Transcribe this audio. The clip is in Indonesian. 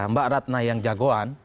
mbak ratna yang jagoan